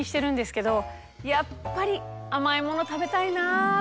やっぱり甘いもの食べたいなと思って。